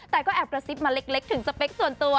แต่ก็แอบกระซิบมาเล็กถึงสเปคส่วนตัว